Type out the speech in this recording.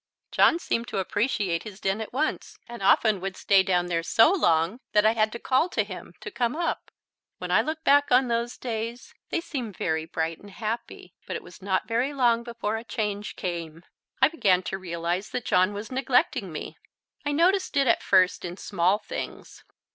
John seemed to appreciate his den at once, and often would stay down there so long that I had to call to him to come up. When I look back on those days they seem very bright and happy. But it was not very long before a change came. I began to realize that John was neglecting me. I noticed it at first in small things.